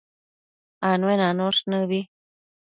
Anuenanosh nëbi